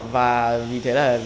và vì thế là